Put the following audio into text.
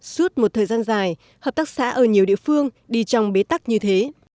suốt một thời gian dài hợp tác xã ở nhiều địa phương đi trong bế tắc như thế